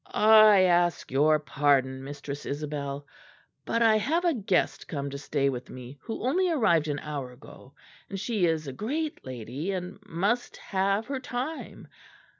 "I ask your pardon, Mistress Isabel; but I have a guest come to stay with me, who only arrived an hour ago; and she is a great lady and must have her time.